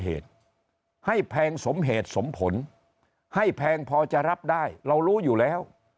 เหตุให้แพงสมเหตุสมผลให้แพงพอจะรับได้เรารู้อยู่แล้ว